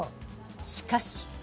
しかし。